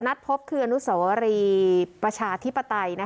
นัดพบคืออนุสวรีประชาธิปไตย